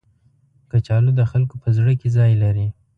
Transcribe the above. کچالو د خلکو په زړه کې ځای لري